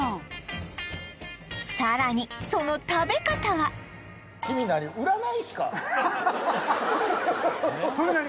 さらにその食べ方はそれ何？